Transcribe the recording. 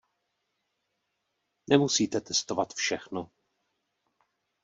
Nemusíte testovat všechno.